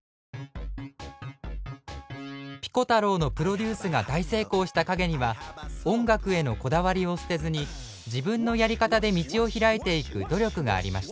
ピコ太郎のプロデュースが大成功した陰には音楽へのこだわりを捨てずに自分のやり方で道を開いていく努力がありました。